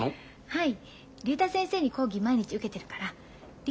はい。